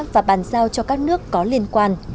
và bàn giao cho các nước có liên quan